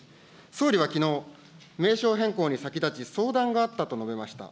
総理はきのう、名称変更に先立ち、相談があったと述べました。